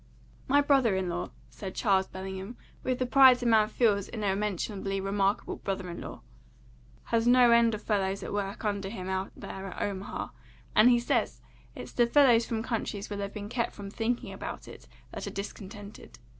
"My brother in law," said Charles Bellingham, with the pride a man feels in a mentionably remarkable brother in law, "has no end of fellows at work under him out there at Omaha, and he says it's the fellows from countries where they've been kept from thinking about it that are discontented.